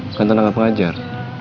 bukan tenaga pengajar